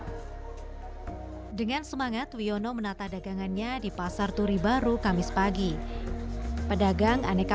hai dengan semangat wiono menata dagangannya di pasar turi baru kamis pagi pedagang aneka